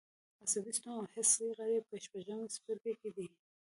عصبي سیستم او حسي غړي په شپږم څپرکي کې دي.